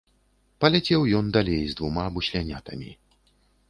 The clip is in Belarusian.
Паляцеў ён далей з двума буслянятамі.